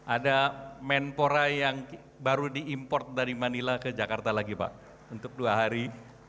ada menpora yang baru diimport dari manila ke jakarta lagi pak untuk dua hari